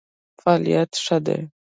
فعالیت ښه دی.